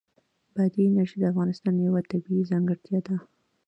بادي انرژي د افغانستان یوه طبیعي ځانګړتیا ده.